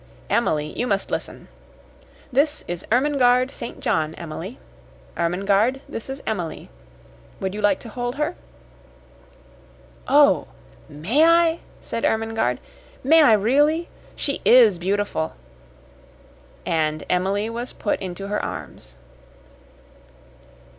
Emily, you must listen. This is Ermengarde St. John, Emily. Ermengarde, this is Emily. Would you like to hold her?" "Oh, may I?" said Ermengarde. "May I, really? She is beautiful!" And Emily was put into her arms.